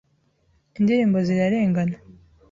Indirimbo zirarengana .